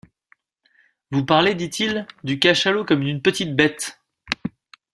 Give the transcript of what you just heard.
« Vous parlez, dit-il, du cachalot comme d’une petite bête!